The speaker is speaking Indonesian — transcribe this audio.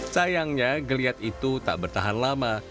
sayangnya geliat itu tak bertahan lama